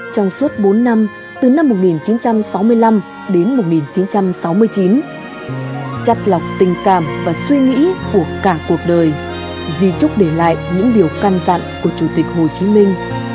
trong suốt bốn năm từ năm một nghìn chín trăm sáu mươi năm đến một nghìn chín trăm sáu mươi chín chắt lọc tình cảm và suy nghĩ của cả cuộc đời di trúc để lại những điều căn dặn của chủ tịch hồ chí minh